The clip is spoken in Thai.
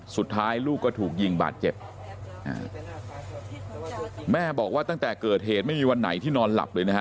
สุดท้ายลูกก็ถูกยิงบาดเจ็บอ่าแม่บอกว่าตั้งแต่เกิดเหตุไม่มีวันไหนที่นอนหลับเลยนะฮะ